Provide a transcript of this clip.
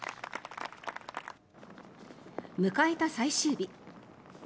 迎えた最終日。